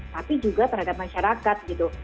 tapi juga terhadap masyarakat gitu